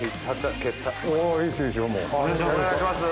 お願いします！